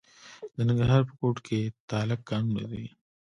د ننګرهار په کوټ کې د تالک کانونه دي.